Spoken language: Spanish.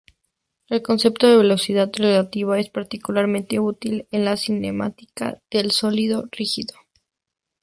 El concepto de velocidad relativa es particularmente útil en la cinemática del sólido rígido.